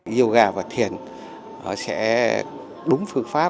yoga và thiền sẽ đúng phương pháp